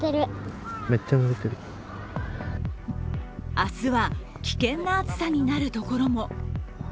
明日は危険な暑さになるところも。